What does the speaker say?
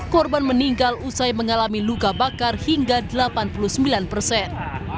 korban meninggal usai mengalami luka bakar hingga delapan puluh sembilan persen